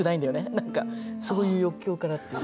何かそういう欲求からっていう。